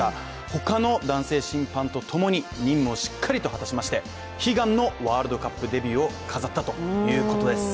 他の男性審判とともに任務をしっかりと果たしまして悲願のワールドカップデビューを飾ったということです。